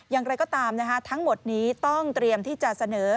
อย่างไรก็ตามทั้งหมดนี้ต้องเตรียมที่จะเสนอ